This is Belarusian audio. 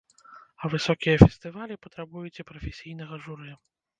А высокія фестывалі патрабуюць і прафесійнага журы.